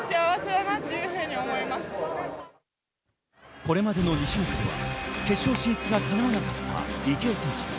これまでの２種目では決勝進出がかなわなかった池江選手。